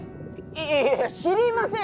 いやいや知りません！